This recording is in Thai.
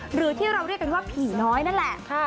หรือที่เราเรียกกันว่าผีน้อยนั่นแหละ